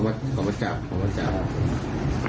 ขอบคุณแห่งใจจริง